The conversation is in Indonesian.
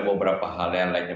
beberapa hal lainnya